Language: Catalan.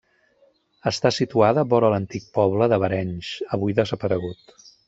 Està situada vora l'antic poble de Barenys, avui desaparegut.